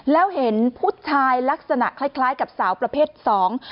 แล้วเห็นผู้ชายลักษณะคล้ายคล้ายกับสาวประเภทสอง